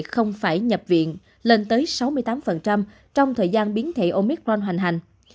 trong giai đoạn nhập viện lên tới sáu mươi tám trong thời gian biến thể omicron hoành hành